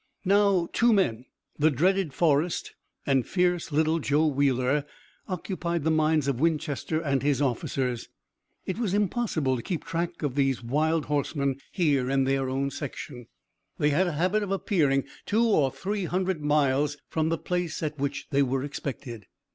Now two men, the dreaded Forrest and fierce little Joe Wheeler, occupied the minds of Winchester and his officers. It was impossible to keep track of these wild horsemen here in their own section. They had a habit of appearing two or three hundred miles from the place at which they were expected.